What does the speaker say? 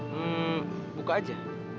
hmm buka aja